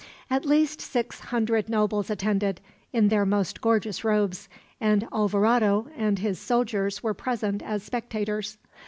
At least six hundred nobles attended, in their most gorgeous robes, and Alvarado and his soldiers were present as spectators.